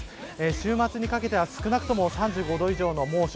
週末にかけては少なくとも３５度以上の猛暑。